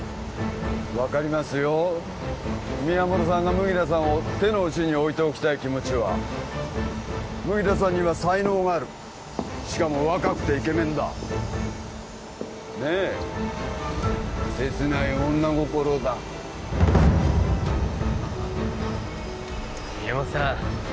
分かりますよ宮本さんが麦田さんを手の内に置いておきたい気持ちは麦田さんには才能があるしかも若くてイケメンだねえ切ない女心だ宮本さん